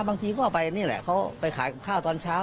บางทีก็เอาไปนี่แหละเขาไปขายกับข้าวตอนเช้า